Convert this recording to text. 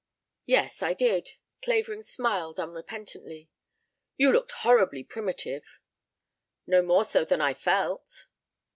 "Yes, I did." Clavering smiled unrepentantly. "You looked horribly primitive." "No more so than I felt."